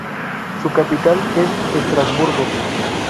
Su capital es Estrasburgo.